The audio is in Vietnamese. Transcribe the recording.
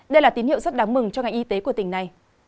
đây là tín hiệu rất đáng mừng cho ngành y tế của tỉnh này